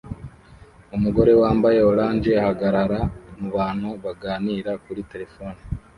Umugore wambaye orange ahagarara mubantu baganira kuri terefone